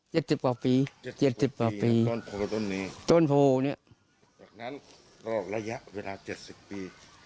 สิบกว่าปีเจ็ดสิบกว่าปีต้นโพต้นนี้ต้นโพเนี้ยจากนั้นก็ระยะเวลาเจ็ดสิบปี